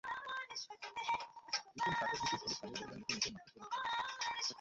বিকেল চারটার দিকে ঢোলের তালে বলীরা নেচে নেচে মাঠে প্রবেশ করেন।